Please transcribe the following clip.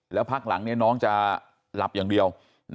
แล้วพักหลังน้องจะหลับอย่างเดียว